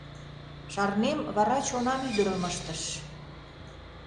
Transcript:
Шарнем, вара чонан ӱдырым ыштыш.